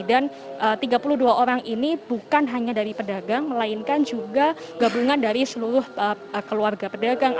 dan tiga puluh dua orang ini bukan hanya dari pedagang melainkan juga gabungan dari seluruh keluarga pedagang